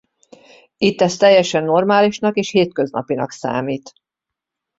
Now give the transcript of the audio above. Itt ez teljesen normálisnak és hétköznapinak számít.